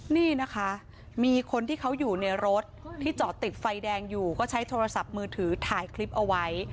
นี่นะคะมีคนที่เขาอยู่ในรถที่จอดติดไฟแดงอยู่ก็ใช้โทรศัพท์มือถือถ่ายคลิปเอาไว้